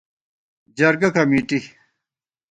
جرگہ کمېٹی